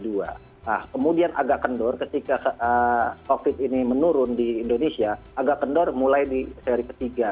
nah kemudian agak kendor ketika covid ini menurun di indonesia agak kendor mulai di seri ketiga